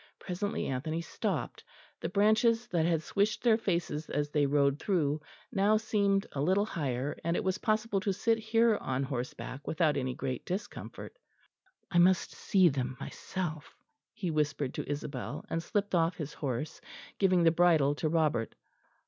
Presently Anthony stopped; the branches that had swished their faces as they rode through now seemed a little higher; and it was possible to sit here on horseback without any great discomfort. "I must see them myself," he whispered to Isabel; and slipped off his horse, giving the bridle to Robert.